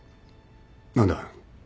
何だ？